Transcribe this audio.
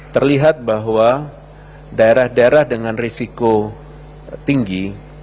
terlihat bahwa daerah daerah dengan risiko tinggi